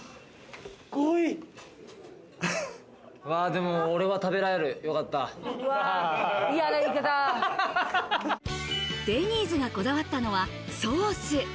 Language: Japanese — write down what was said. でも俺は食べられる、よかっデニーズがこだわったのはソース。